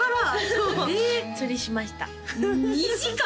そう釣りしました２時間？